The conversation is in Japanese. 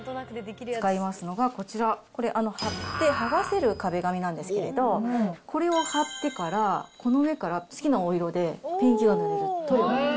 使いますのがこちら、これ、貼って剥がせる壁紙なんですけれど、これを貼ってから、この上から好きなお色でペンキが塗れる。